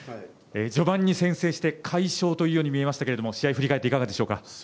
序盤に先制して快勝というように見えましたけど試合を振り返っていかがでしょう。